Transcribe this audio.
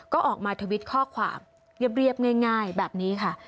ก็ออกมาทวิตข้อความเรียบง่ายแบบนี้ค่ะ